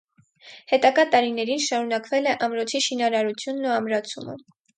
Հետագա տարիներին շարունակվել է ամրոցի շինարարությունն ու ամրացումը։